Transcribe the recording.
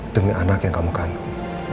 demi anak yang kamu kandung